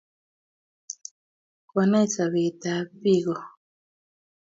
konai sobet tab biko